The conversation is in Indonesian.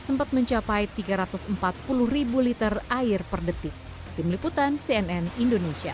sempat mencapai tiga ratus empat puluh ribu liter air per detik tim liputan cnn indonesia